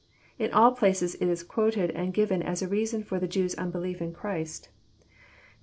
In all places it is quoted and given as a reason for the Jews' unbelief In Christ. (Matt.